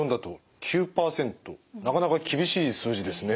なかなか厳しい数字ですね。